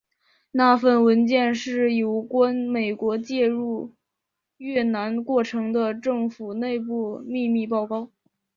那份文件是有关美国介入越南过程的政府内部秘密报告。